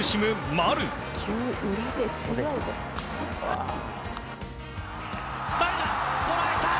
丸が捉えた！